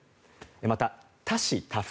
また、多子多福。